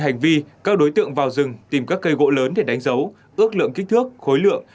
hành vi các đối tượng vào rừng tìm các cây gỗ lớn để đánh dấu ước lượng kích thước khối lượng